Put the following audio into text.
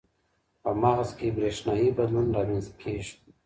په مغز کې برېښنايي بدلون رامنځته کېږي.